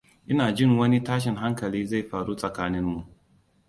Ina jin wani tashin hankali zai faru tsakanin mu.